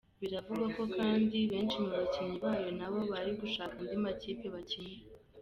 Biravugwa ko kandi benshi mu bakinnyi bayo nabo bari gushaka andi makipe bakinira.